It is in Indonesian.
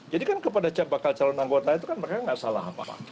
jadi kan kepada bakal calon anggota itu kan mereka nggak salah apa apa